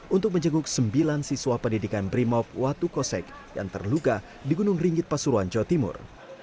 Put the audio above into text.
untuk menjenguk sembilan siswa pendidikan brimob watu kosek yang terluka di gunung ringgit pasuruan jawa timur